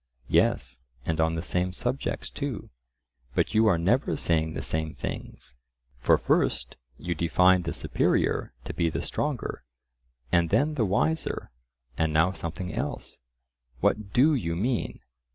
Yes, and on the same subjects too; but you are never saying the same things. For, first, you defined the superior to be the stronger, and then the wiser, and now something else;—what DO you mean?